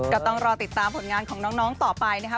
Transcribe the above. ก็ต้องรอติดตามผลงานของน้องต่อไปนะคะ